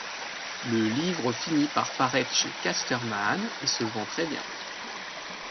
Le livre finit par paraître chez Casterman et se vend très bien.